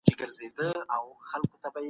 د سینه درد باید جدي ونیول شي.